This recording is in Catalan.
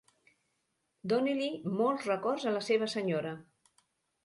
Doni-li molts records a la seva senyora!